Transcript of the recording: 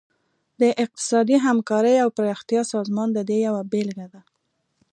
د اقتصادي همکارۍ او پراختیا سازمان د دې یوه بیلګه ده